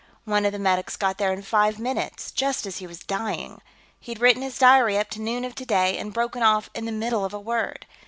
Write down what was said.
One of the medics got there in five minutes, just as he was dying. He'd written his diary up to noon of today, and broken off in the middle of a word.